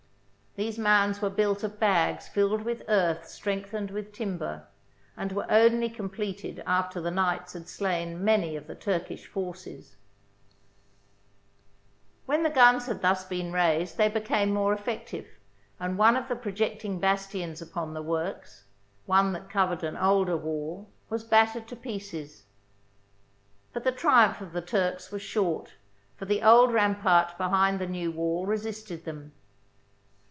These mounds were built of bags filled with earth strength ened with timber, and were only completed after the knights had slain many of the Turkish forces. THE BOOK OF FAMOUS SIEGES When the guns had thus been raised, they became more effective, and one of the projecting bastions upon the works, one that covered an older wall, was battered to pieces. But the triumph of the Turks was short, for the old rampart behind the new wall resisted them.